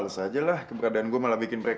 loh ratu lu ngapain di sini